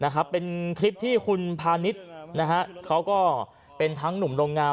เป็นคลิปที่คุณพาณิชย์นะฮะเขาก็เป็นทั้งหนุ่มโรงงาน